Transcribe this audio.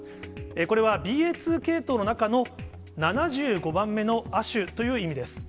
これはＢＡ．２系統の中の７５番目の亜種という意味です。